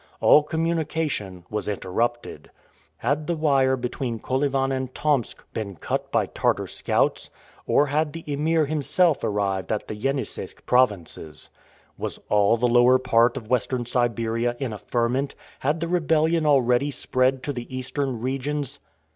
All communication was interrupted. Had the wire between Kolyvan and Tomsk been cut by Tartar scouts, or had the Emir himself arrived at the Yeniseisk provinces? Was all the lower part of Western Siberia in a ferment? Had the rebellion already spread to the eastern regions?